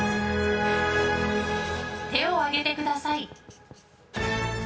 手を上げてください。